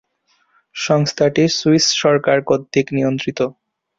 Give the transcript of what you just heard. সংস্থাটি সুইস সরকার কর্তৃক নিয়ন্ত্রিত।